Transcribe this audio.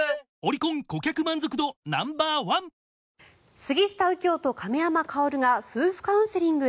杉下右京と亀山薫が夫婦カウンセリングへ？